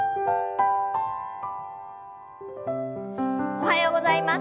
おはようございます。